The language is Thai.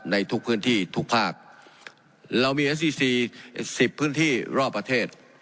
ในทุกพื้นที่ทุกภาคเรามีเอฟซีซีสิบพื้นที่รอบประเทศ